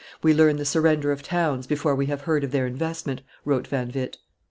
"We learn the surrender of towns before we have heard of their investment," wrote Van Witt.